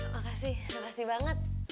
makasih makasih banget